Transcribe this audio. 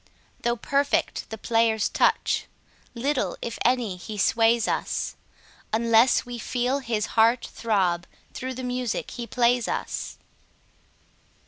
Though perfect the player's touch, little, if any, he sways us, Unless we feel his heart throb through the music he plays us.